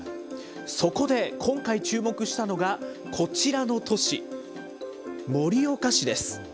そこで今回注目したのが、こちらの都市、盛岡市です。